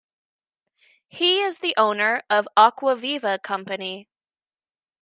He is the owner of Aquaviva company.